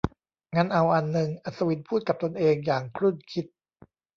งั้นเอาอันนึง อัศวินพูดกับตนเองอย่างครุ่นคิด